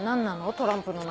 トランプの中で。